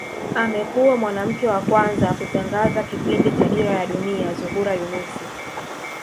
Amekuwa mwanamke wa kwanza kutangaza kipindi cha Dira ya Dunia Zuhura Yunus